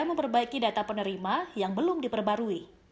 memperbaiki data penerima yang belum diperbarui